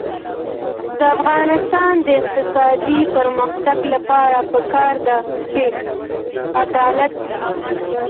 د افغانستان د اقتصادي پرمختګ لپاره پکار ده چې عدالت وي.